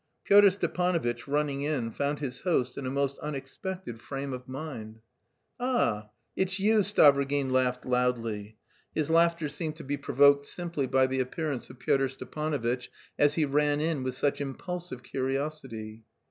Pyotr Stepanovitch, running in, found his host in a most unexpected frame of mind. "Ah, that's you!" Stavrogin laughed loudly; his laughter seemed to be provoked simply by the appearance of Pyotr Stepanovitch as he ran in with such impulsive curiosity.